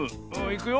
いくよ。